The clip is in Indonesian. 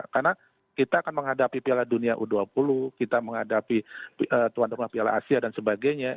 karena kita akan menghadapi piala dunia u dua puluh kita menghadapi tuan tuan piala asia dan sebagainya